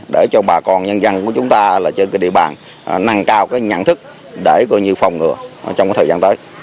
để cho bà con nhân dân của chúng ta là trên cái địa bàn nâng cao cái nhận thức để phòng ngừa trong thời gian tới